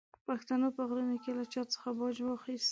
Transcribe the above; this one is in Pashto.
پښتنو په غرونو کې له چا څخه باج اخیست.